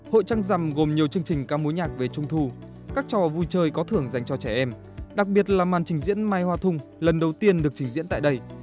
hội trăng rằm gồm nhiều chương trình ca mối nhạc về trung thu các trò vui chơi có thưởng dành cho trẻ em đặc biệt là màn trình diễn mai hoa thung lần đầu tiên được trình diễn tại đây